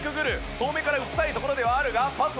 遠目から打ちたいところではあるがパスを。